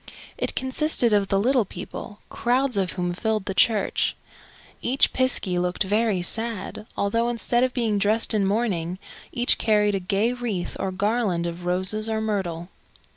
It consisted of the little people, crowds of whom filled the church. Each piskie looked very sad, although, instead of being dressed in mourning, each carried a gay wreath or garland of roses or myrtle.